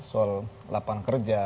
soal lapangan kerja